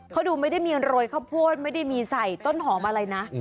เขาดูไม่ได้มีโรยข้าวโพดไม่ได้มีใส่ต้นหอมอะไรนะ